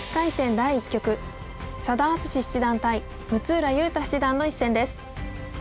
第１局佐田篤史七段対六浦雄太七段の一戦です。